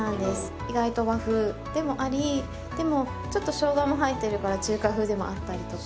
意外と和風でもありでもちょっとしょうがも入ってるから中華風でもあったりとか。